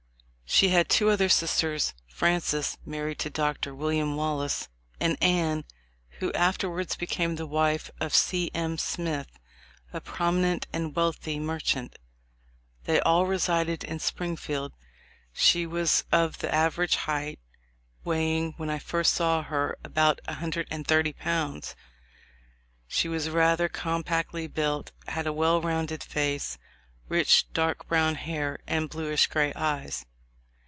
She had two other sisters, Frances, mar ried to Dr. William Wallace, and Anne, who after wards became the wife of C. M. Smith, a prominent and wealthy merchant. They all resided in Spring field. She was of the average height, weighing when I first saw her about a hundred and thirty pounds. She was rather compactly built, had a well rounded face, rich dark brown hair, and bluish gray eyes.